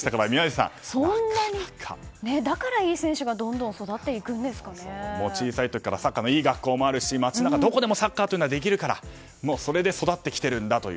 そんなにだからいい選手がどんどん小さい時からサッカーのいい学校もあるし街の中にもサッカーというのはできるからそれで育ってきているんだと。